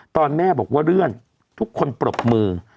ตอนแม่บอกว่าเลื่อนทุกคนปรบมือ